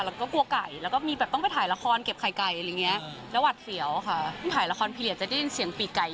เราก็กลัวไก่แล้วก็มีแบบต้องไปถ่ายละครเก็บไข่ไก่อะไรอย่างนี้